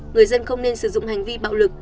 người dân không nên sử dụng hành vi bạo lực